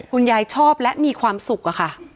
คุณยายชอบและมีความสุขอะค่ะ